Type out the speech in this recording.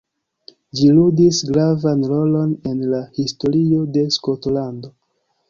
Ĝi ludis gravan rolon en la historio de Skotlando.